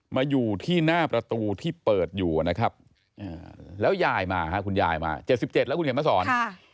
มาอยู่ที่หน้าประตูที่เปิดอยู่นะครับแล้วยายมาค่ะคุณยายมาเจ็ดสิบเจ็ดแล้วคุณเห็นมาสอน